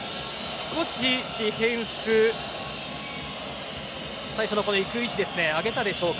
少しディフェンス最初の行く位置を上げたでしょうか。